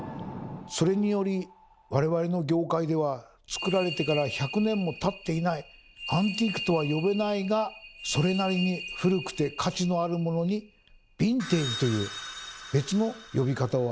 それにより我々の業界では作られてから１００年もたっていない「アンティーク」とは呼べないがそれなりに古くて価値のあるモノに「ヴィンテージ」という別の呼び方を与えたんですね。